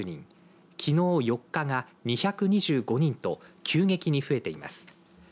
きのう４日が２２５人と急激に増えています。